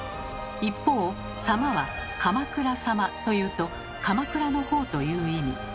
一方「様」は「鎌倉様」と言うと「鎌倉のほう」という意味。